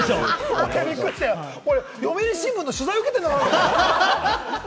読売新聞の取材を受けてるのかと思った！